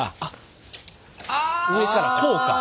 上からこうか。